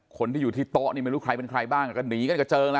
คนที่อยู่ที่โต๊ะนี่ไม่รู้ใครเป็นใครบ้างก็หนีกันกระเจิงแล้ว